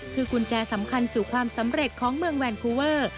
คือกุญแจสำคัญสู่ความสำเร็จของเมืองแวนคูเวอร์